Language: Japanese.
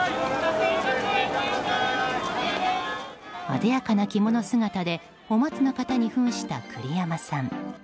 あでやかな着物姿でお松の方に扮した栗山さん。